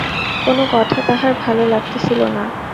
কোনো কথা তাহার ভালো লাগিতেছিল না।